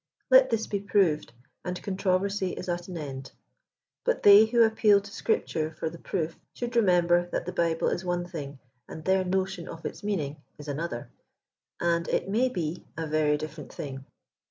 Let this be proved, and controversy is at an end. But they who appeal to Scrip ture for the proof, should remember that the Bible is one thing, and their notion of its meaning is another, and, it may be, a very different thing.